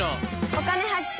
「お金発見」。